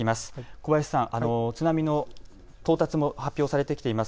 小林さん、津波の到達も発表されてきています。